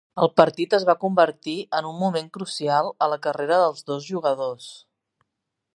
El partit es va convertir en un moment crucial a la carrera dels dos jugadors.